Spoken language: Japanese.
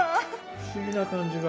不思議な感じが。